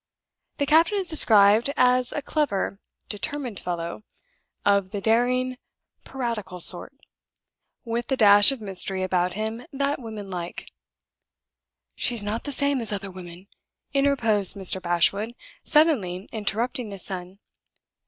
The captain is described as a clever, determined fellow of the daring piratical sort with the dash of mystery about him that women like " "She's not the same as other women!" interposed Mr. Bashwood, suddenly interrupting his son.